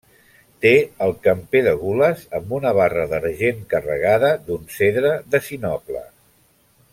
Té el camper de gules amb una barra d'argent carregada d'un cedre de sinople.